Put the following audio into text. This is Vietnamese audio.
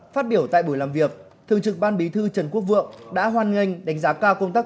phát biểu tại buổi làm việc thường trực ban bí thư trần quốc vượng đã hoan nghênh đánh giá cao công tác